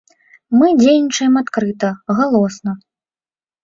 Мы дзейнічаем адкрыта, галосна.